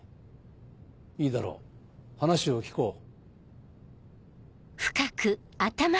いいだろう話を聞こう。